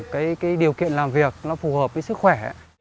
cái điều kiện làm việc nó phù hợp với sức khỏe